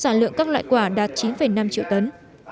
sản lượng các loại quả đạt chín năm triệu tấn